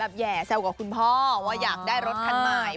แห่แซวกับคุณพ่อว่าอยากได้รถคันใหม่